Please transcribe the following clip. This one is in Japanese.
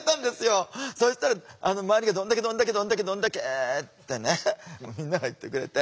そしたら周りが「どんだけどんだけどんだけどんだけ！」ってねみんなが言ってくれて。